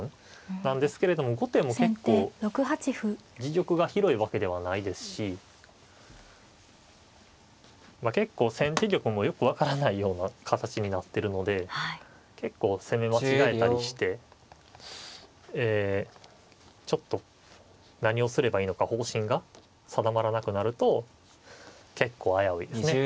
なんですけれども後手も結構自玉が広いわけではないですし結構先手玉もよく分からないような形になってるので結構攻め間違えたりしてちょっと何をすればいいのか方針が定まらなくなると結構危ういですね。